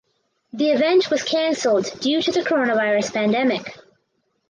The event was cancelled due to Coronavirus pandemic.